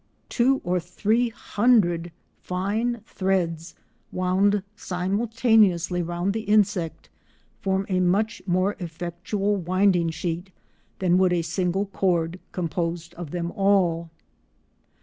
Two or three hundred fine threads wound simultaneously round the insect form a much more effectual winding sheet than would a single cord composed of them all.